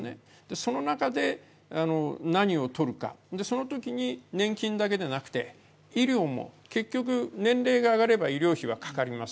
その中で、何を取るかそのときに年金だけでなくて医療も、結局年齢が上がれば医療費はかかります